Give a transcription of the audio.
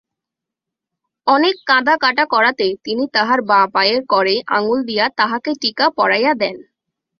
অনেক কাঁদাকাটা করাতে তিনি তাঁহার বাঁ পায়ের কড়ে আঙুল দিয়া তাঁহাকে টিকা পরাইয়া দেন।